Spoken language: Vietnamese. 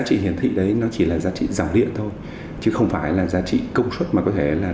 chị hiển thị đấy nó chỉ là giá trị dòng điện thôi chứ không phải là giá trị công suất mà có thể là